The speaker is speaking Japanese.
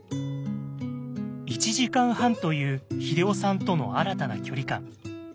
「１時間半」という英夫さんとの新たな距離感。